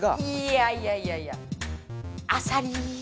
いやいやいやいやアサリ。